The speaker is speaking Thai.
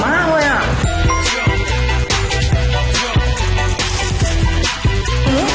มันอร่อยมากโว้ย